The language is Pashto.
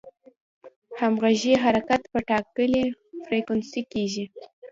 همغږي حرکت په ټاکلې فریکونسي کېږي.